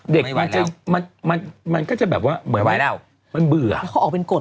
เด็กมันจะมันมันก็จะแบบว่าเหมือนว่ามันเบื่อแล้วเขาออกเป็นกฎ